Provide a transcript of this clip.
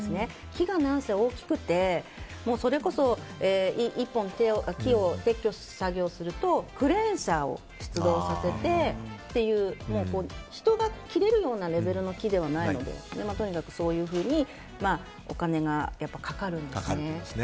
木が何せ大きくてそれこそ１本、木を撤去作業するとクレーン車を出動させてっていう人が切れるようなレベルの木ではないのでとにかく、そういうふうにお金がかかるんですね。